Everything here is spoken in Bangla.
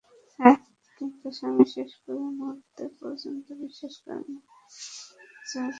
কিন্তু স্বামী শেষ মুহূর্ত পর্যন্ত বিশ্বাস করেননি সেদিন কিছু একটা ঘটতে যাচ্ছে।